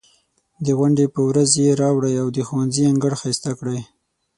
د غونډې په ورځ یې راوړئ او د ښوونځي انګړ ښایسته کړئ.